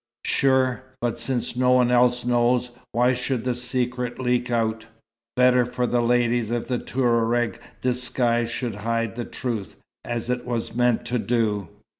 "Sure. But since no one else knows, why should the secret leak out? Better for the ladies if the Touareg disguise should hide the truth, as it was meant to do."